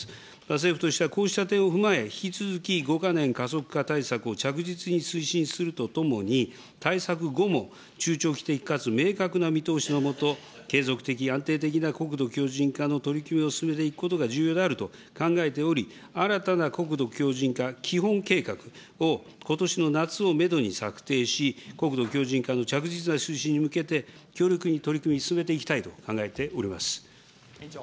政府としては、こうした点を踏まえ、引き続き５か年加速化対策を着実に推進するとともに、対策後も中長期的かつ明確な見通しの下、継続的、安定的な国土強じん化の取り組みを進めていくことが重要であると考えており、新たな国土強じん化基本計画をことしの夏をメドに策定し、国土強じん化の着実な推進に向けて、強力に取り組み進めてまいりたいと考えております。